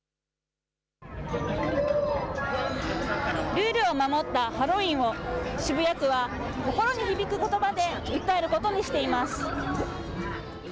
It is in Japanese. ルールを守ったハロウィーンを、渋谷区は心に響くことばで訴えることにしています。